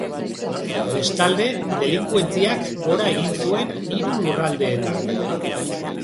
Bestalde, delinkuentziak gora egin zuen, hiru lurraldeetan.